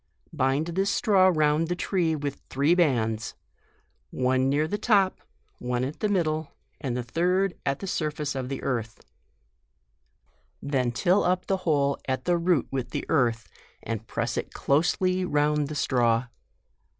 Bind this straw round the tree with three bands, one near the top, one at the middle, and the third at the surface of the earth ; then till up the hole at the root with earth, and press it closely round the straw.